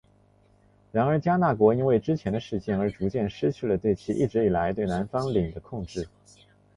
然而迦纳国因为之前的事件而逐渐失去了其一直以来对南方领的控制。